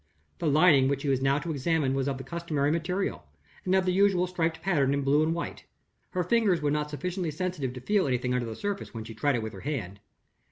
The lining which she was now to examine was of the customary material, and of the usual striped pattern in blue and white. Her fingers were not sufficiently sensitive to feel anything under the surface, when she tried it with her hand.